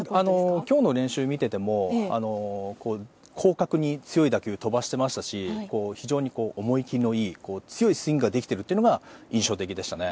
今日の練習を見てても広角に強い打球を飛ばしてましたし非常に思い切りのいい強いスイングができているというのが印象的でしたね。